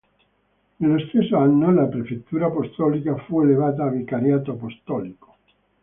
Nello stesso anno la prefettura apostolica fu elevata a vicariato apostolico.